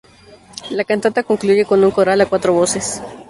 La cantata concluye con un coral a cuatro voces.